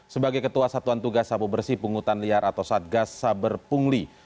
sebagai ketua satuan tugas sabu bersih pungutan liar atau satgas saber pungli